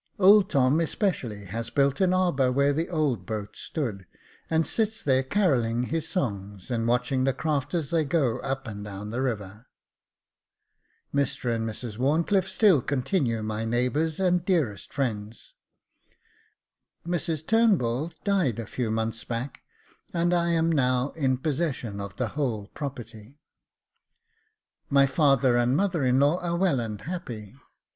Old Tom, especially, has built an arbour where the old boat stood, and sits there carolling his songs, and watching the craft as they go up and down the river. Mr and Mrs Wharncliffe still continue my neighbours and dearest friends. Mrs Turnbull died a few months back, and I am now in possession of the whole property. My father and mother in law are well and happy.